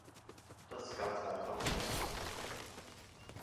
Das ist ganz einfach unzutreffend!